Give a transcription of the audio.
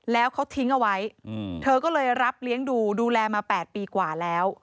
แล้วเขาทิ้งเอาไว้เธอก็เลยรับเลี้ยงดูดูแลมา๘ปีกว่าแล้ว